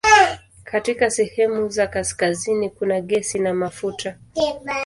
Katika sehemu za kaskazini kuna gesi na mafuta.